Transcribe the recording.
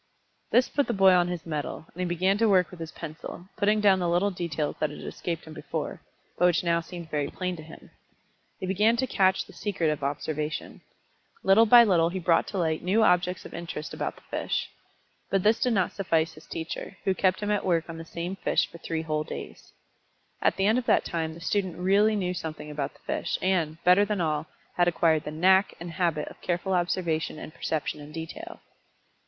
This put the boy on his mettle, and he began to work with his pencil, putting down little details that had escaped him before, but which now seemed very plain to him. He began to catch the secret of observation. Little by little he brought to light new objects of interest about the fish. But this did not suffice his teacher, who kept him at work on the same fish for three whole days. At the end of that time the student really knew something about the fish, and, better than all, had acquired the "knack" and habit of careful observation and perception in detail.